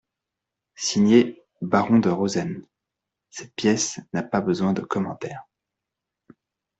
»Signé Baron DE ROSEN.» Cette pièce n'a pas besoin de commentaire.